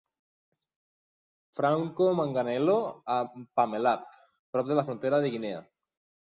Franco Manganello a Pamelap, prop de la frontera de Guinea.